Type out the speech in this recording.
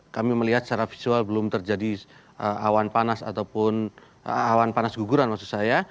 kami melihat secara visual belum terjadi awan panas ataupun awan panas guguran maksud saya